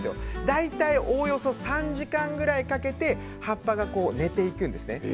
大体およそ３時間ぐらいかけて葉っぱが寝てくるんです。